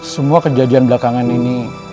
semua kejadian belakangan ini